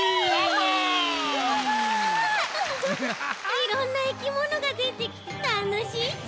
いろんないきものがでてきてたのしいち。